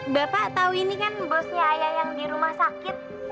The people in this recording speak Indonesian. bapak tahu ini kan bosnya ayah yang di rumah sakit